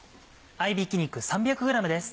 合びき肉３００ｇです。